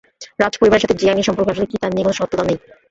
রাজপরিবারের সাথে জিয়াং এর সম্পর্ক আসলে কী তা নিয়ে কোনও সত্যতা নেই।